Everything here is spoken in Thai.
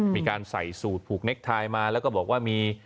มีการใส่สูตรผูกเน็กไทยมาแล้วก็บอกว่ามี